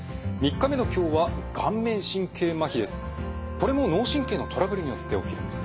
これも脳神経のトラブルによって起きるんですね。